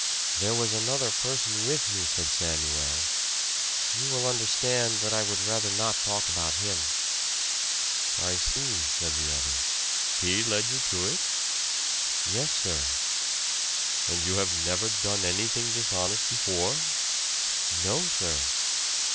"There was another person with me," said Samuel "you will understand that I would rather not talk about him." "I see," said the other. "He led you to it?" "Yes, sir." "And you have never done anything dishonest before?" "No, sir."